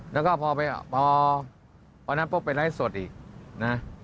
แล้วก็พอวันนั้นปุ๊บไปไลฟ์สดอีกนะ